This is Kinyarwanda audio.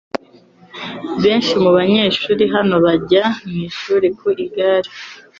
Benshi mubanyeshuri hano bajya mwishuri ku igare.